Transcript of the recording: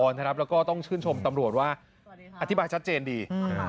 แล้วก็ต้องชื่นชมตำรวจว่าอธิบายชัดเจนดี